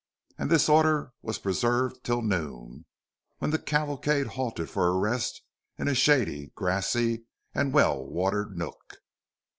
And this order was preserved till noon, when the cavalcade halted for a rest in a shady, grassy, and well watered nook.